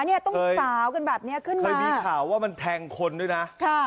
เนี่ยต้องสาวกันแบบนี้ขึ้นมาเคยมีข่าวว่ามันแทงคนด้วยนะค่ะ